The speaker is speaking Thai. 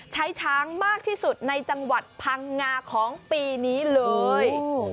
ช้างมากที่สุดในจังหวัดพังงาของปีนี้เลย